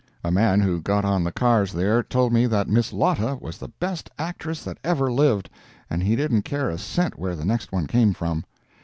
A man who got on the cars there told me that Miss Lotta was the best actress that ever lived, and he didn't care a cent where the next one came from.